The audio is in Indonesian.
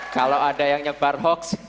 kalau ada yang nyebar hoax